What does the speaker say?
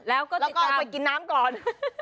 แล้วก็จะต้องไปกินน้ำก่อน